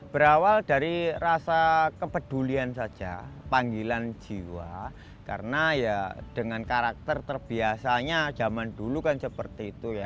berawal dari rasa kepedulian saja panggilan jiwa karena ya dengan karakter terbiasanya zaman dulu kan seperti itu ya